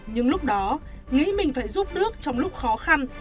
nhưng lúc đó nghĩ mình phải giúp nước trong lúc khó khăn